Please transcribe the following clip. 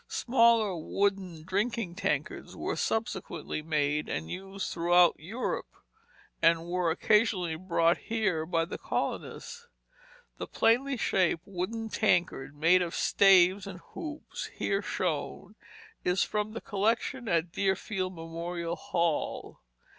Smaller wooden drinking tankards were subsequently made and used throughout Europe, and were occasionally brought here by the colonists. The plainly shaped wooden tankard, made of staves and hoops and here shown, is from the collection at Deerfield Memorial Hall.